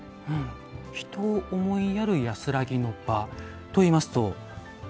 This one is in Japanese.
人を思いやる安らぎの場といいますと？